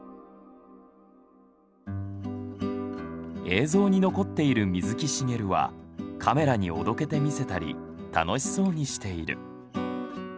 映像に残っている水木しげるはカメラにおどけてみせたり楽しそうにしている。